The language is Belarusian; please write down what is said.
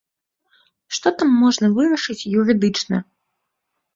Што там можна вырашыць юрыдычна?